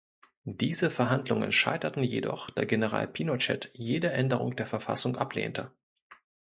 Diese Verhandlungen scheiterten jedoch, da General Pinochet jede Änderung der Verfassung ablehnte.